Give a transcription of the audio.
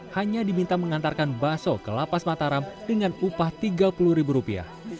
hanya diminta mengantarkan bakso ke lapas mataram dengan upah tiga puluh ribu rupiah